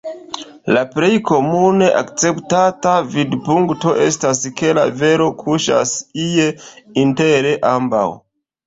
La plej komune akceptata vidpunkto estas ke la vero kuŝas ie inter ambaŭ.